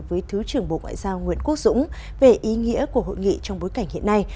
với thứ trưởng bộ ngoại giao nguyễn quốc dũng về ý nghĩa của hội nghị trong bối cảnh hiện nay